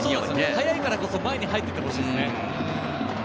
速いからこそ前に入っていってほしいですね。